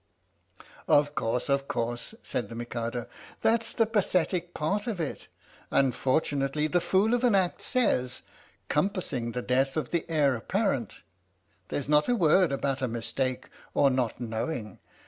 " Of course of course," said the Mikado, " that 's the pathetic part of it. Unfortunately the fool of an Act says, ' compassing the death of the Heir Appar ent.' There's not a word about a mistake or not knowing.